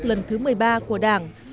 lần thứ một mươi ba của đảng